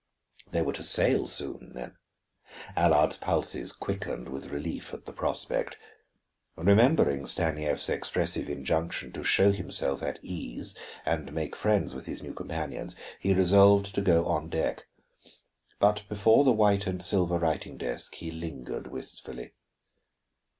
They were to sail soon, then. Allard's pulses quickened with relief at the prospect. Remembering Stanief's expressive injunction to show himself at ease and make friends with his new companions, he resolved to go on deck. But before the white and silver writing desk he lingered wistfully.